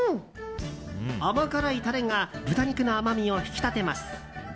甘辛いタレが豚肉の甘みを引き立てます。